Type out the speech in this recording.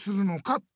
って。